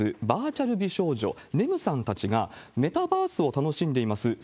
バーチャル美少女、ネムさんたちがメタバースを楽しんでいます